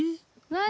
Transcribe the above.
何？